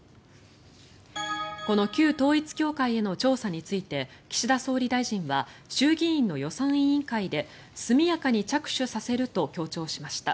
この旧統一教会への調査について岸田総理大臣は衆議院の予算委員会で速やかに着手させると強調しました。